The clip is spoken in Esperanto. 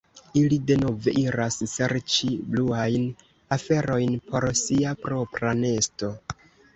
Ili denove iras serĉi bluajn aferojn por sia propra nesto.